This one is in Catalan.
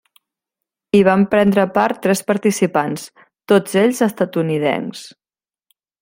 Hi van prendre part tres participants, tots ells estatunidencs.